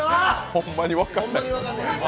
ほんまに分かんない。